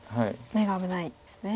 眼が危ないんですね。